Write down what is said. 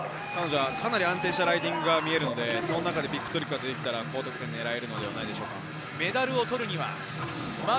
かなり安定したライディングは見えるので、ビッグトリックを入れてきたら、かなり高得点が見えるのではないでしょうか。